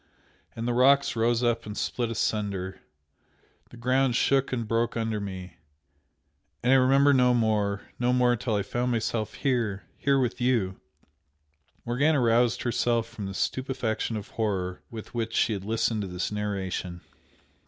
and the rocks rose up and split asunder the ground shook and broke under me and I remember no more no more till I found myself here! here with you!" Morgana roused herself from the stupefaction of horror with which she had listened to this narration.